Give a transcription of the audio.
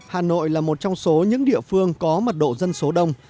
hà nội là một trong số những địa phương có mật độ dân số đông